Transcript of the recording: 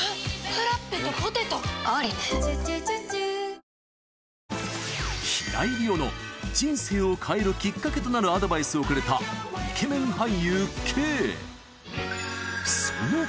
三井不動産平井理央の人生を変えるきっかけとなるアドバイスをくれた、イケメン俳優Ｋ。